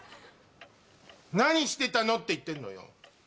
何してたのって言ってんのよ！